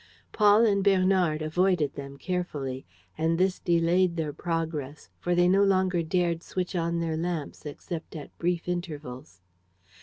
Paul and Bernard avoided them carefully; and this delayed their progress, for they no longer dared switch on their lamps except at brief intervals.